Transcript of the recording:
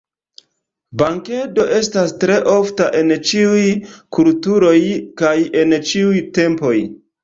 Bankedo estas tre ofta en ĉiuj kulturoj kaj en ĉiuj tempoj.